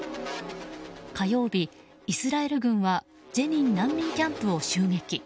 火曜日、イスラエル軍はジェニン難民キャンプを襲撃。